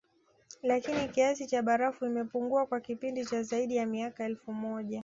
Lakini kiasi cha barafu imepungua kwa kipindi cha zaidi ya miaka elfu moja